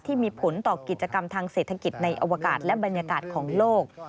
ที่มีผลต่อกิจกรรมทางเศรษฐกิจในอวกาศและบรรยากาศของโลก